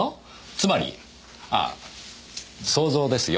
つまりああ想像ですよ。